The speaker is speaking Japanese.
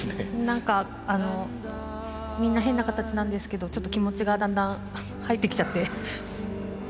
何かみんな変な形なんですけどちょっと気持ちがだんだん入ってきちゃって。